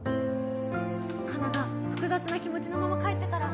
カナが複雑な気持ちのまま帰ってたら。